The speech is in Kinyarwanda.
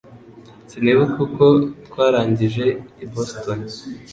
Sinibuka uko twarangije i Boston